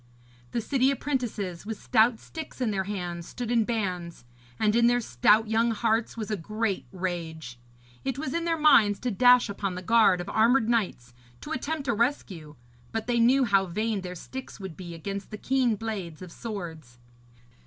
The city apprentices, with stout sticks in their hands, stood in bands, and in their stout young hearts was a great rage. It was in their minds to dash upon the guard of armoured knights, to attempt a rescue, but they knew how vain their sticks would be against the keen blades of swords.